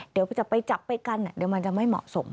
เดี๋ยวจะไปจับไปกันเดี๋ยวมันจะไม่เหมาะสม